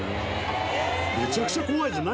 めちゃくちゃ怖いじゃん！